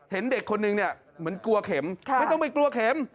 เห็นเด็กคนนึงเนี่ยเหมือนกลัวเข็มไม่ต้องไปกลัวเข็ม